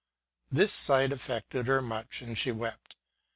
This sight affected her much, and she wept.